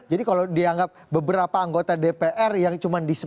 jadi kalau dianggap beberapa anggota dpr yang cuma disebut